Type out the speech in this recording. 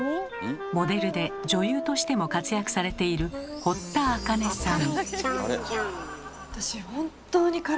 モデルで女優としても活躍されている堀田茜さん。